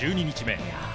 １２日目。